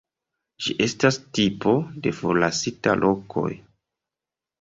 Ĝi estas tipo de forlasita lokoj.